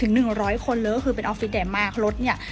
หนึ่งร้อยคนเลยก็คือเป็นออฟฟิศแดมมากรถเนี่ย